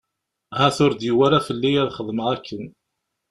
Ahat ur d-yewwi ara fell-i ad xedmeɣ akken.